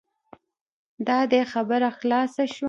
دا دی خبره خلاصه شوه.